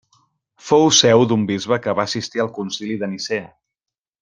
Fou seu d'un bisbe que va assistir al Concili de Nicea.